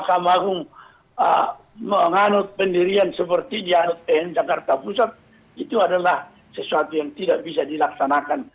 maka mahu menganut pendirian seperti di anut tn jakarta pusat itu adalah sesuatu yang tidak bisa dilaksanakan